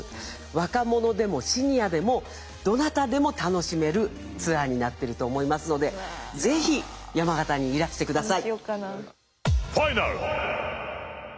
若者でもシニアでもどなたでも楽しめるツアーになってると思いますのでぜひ山形にいらしてください。